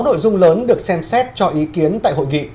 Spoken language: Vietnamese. sáu nội dung lớn được xem xét cho ý kiến tại hội nghị